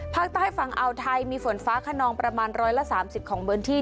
ภาคใต้ฝั่งอ่าวไทยมีฝนฟ้าขนองประมาณ๑๓๐ของพื้นที่